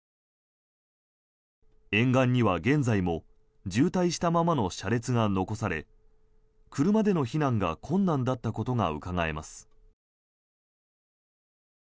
沿岸には現在も渋滞したままの車列が残され車での避難が困難だったことがうかがえます。